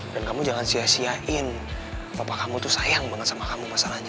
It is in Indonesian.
dan kamu jangan sia siain papa kamu tuh sayang banget sama kamu masalahnya